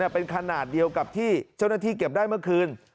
เป็นขนาดเดียวกับที่เจ้าหน้าที่เก็บได้เมื่อคืน